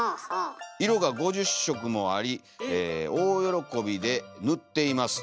色が５０色もあり大よろこびでぬっています」。